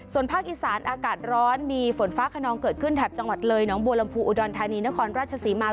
ส่วนภาคอีสานอากาศร้อนมีฝนฟ้าขนองเกิดขึ้นแถบจังหวัดเลยน้องบัวลำพูอุดรธานีนครราชศรีมา